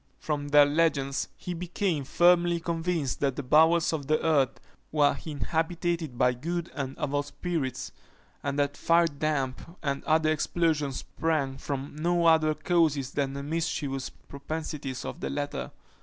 From their legends, he became firmly convinced that the bowels of the earth were inhabited by good and evil spirits, and that firedamp and other explosions sprang from no other causes than the mischievous propensities of the latter.